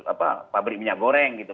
apa pabrik minyak goreng gitu